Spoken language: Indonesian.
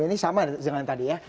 ini sama dengan tadi ya